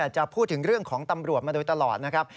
จะพูดถึงเรื่องของตำรวจมาโดยตลอดนะครับ